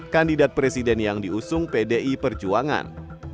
kandidat presiden yang diusung pdi perjuangan